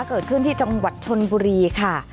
เกิดขึ้นที่จังหวัดชนบุรีค่ะ